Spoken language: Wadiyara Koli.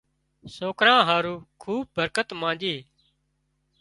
سوڪران هارو کوبٻ برڪت مانڄي